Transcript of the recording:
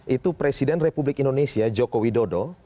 itu presiden republik indonesia joko widodo